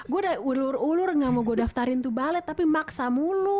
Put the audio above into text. gue udah ulur ulur gak mau gue daftarin tuh balet tapi maksa mulu